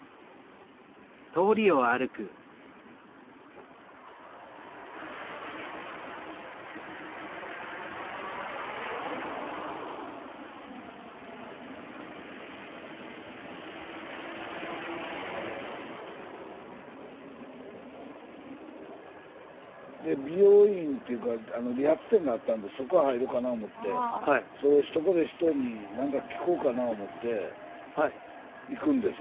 スタジオ美容院っていうか理髪店があったんでそこへ入ろうかな思ってそこで人に何か聞こうかな思って行くんですね